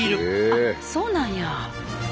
あっそうなんや。